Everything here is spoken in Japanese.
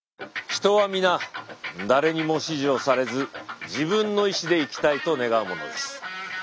人は皆誰にも指示をされず自分の意思で生きたいと願うものです。